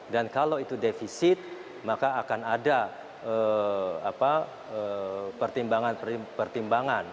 dan kalau itu defisit maka akan ada pertimbangan pertimbangan